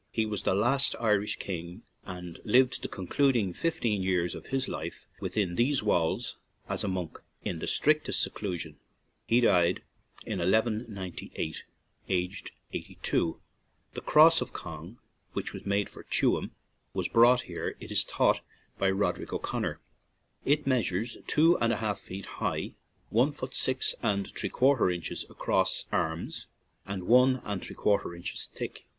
He was the last Irish king, and lived the concluding fifteen years of his life within these walls as a monk, in the strictest seclusion; he died in 1 198, aged eighty two. The Cross of Cong, which was made for Tuam, was brought here, it is thought, by Roderic O'Conor. It measures two and a half feet high, one foot six and three quarter inches across arms, and one and three quarter inches thick.